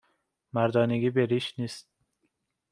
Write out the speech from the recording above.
مردانگی به ریش نیست